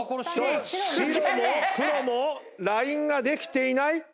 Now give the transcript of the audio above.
白も黒もラインができていない！